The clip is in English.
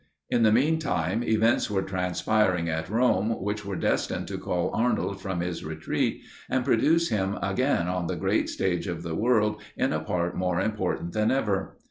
In the meantime, events were transpiring at Rome which were destined to call Arnold from his retreat, and produce him again on the great stage of the world in a part more important than ever.